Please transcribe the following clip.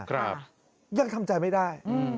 ครับยังทำใจไม่ได้อืม